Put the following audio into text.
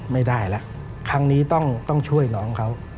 ไม่ได้แล้วครั้งนี้ต้องช่วยน้องเขา